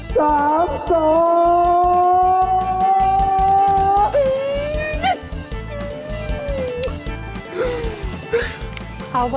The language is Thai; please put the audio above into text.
สามสอง